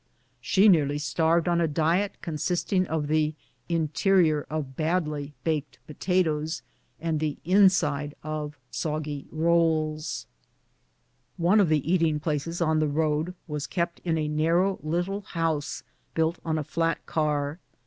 She nearly 96 BOOTS AND SADDLES. starved on a diet consisting of the interior of badly baked potatoes and the inside of soggy rolls. One of the eating places on the road was kept in a narrow little house, built on a flat car.